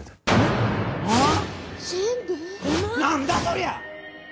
何だそりゃ！？